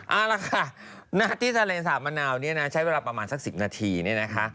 เอาล่ะค่ะหน้าที่ทะเลสาบมะนาวเนี่ยนะใช้เวลาประมาณสัก๑๐นาทีเนี่ยนะคะ